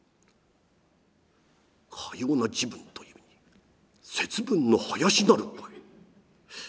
「かような時分というのに節分の囃子なる声。